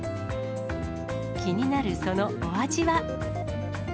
気になるそのお味は。